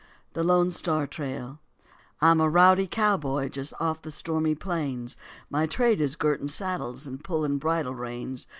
THE LONE STAR TRAIL I'm a rowdy cowboy just off the stormy plains, My trade is girting saddles and pulling bridle reins.